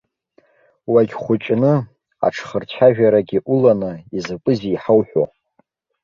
Уагьхәыҷны, аҽхырцәажәарагьы уланы, изакәызеи иҳауҳәо?